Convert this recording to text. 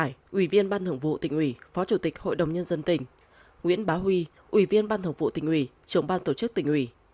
nguyễn trung hải ủy viên ban thường vụ tỉnh ủy phó chủ tịch hội đồng nhân dân tỉnh nguyễn bá huy ủy viên ban thường vụ tỉnh ủy chủng ban tổ chức tỉnh ủy